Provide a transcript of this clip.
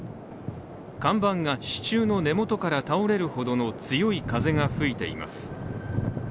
看板が支柱の根元から倒れるほどの強い風が吹いています。